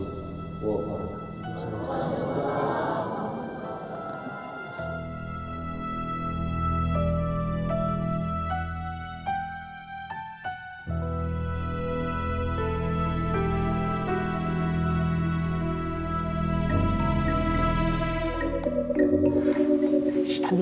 baju kau om restaurantber